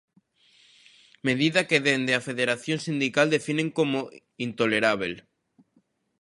Medida que dende a federación sindical definen como intolerábel.